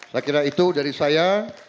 saya kira itu dari saya